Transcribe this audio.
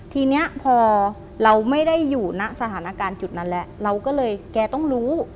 ทีนี้พอเราไม่ได้อยู่ณสถานการณ์จุดนั้นแล้วเราก็เลยแกต้องรู้